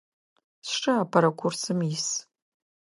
Сшы апэрэ курсым ис.